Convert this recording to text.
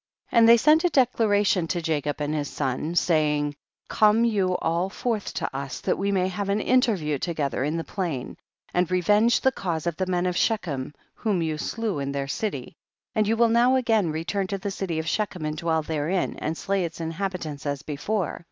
] 1 . And they sent a declaration* to Jacob and his son, saying, come you all forth to us that we may have an interview together in the plain, and revenge the cause of the men of Shechem whom you slew in their city, and you will now again re turn to the city of Shechem and dwell therein, and slay its inhabitants as before.